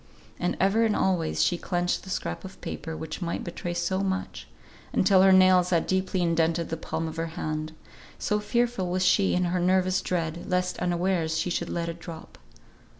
And ever and always she clenched the scrap of paper which might betray so much, until her nails had deeply indented the palm of her hand; so fearful was she in her nervous dread, lest unawares she should let it drop.